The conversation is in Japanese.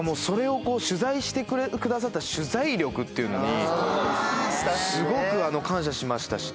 それを取材してくださった取材力っていうのにすごく感謝しました。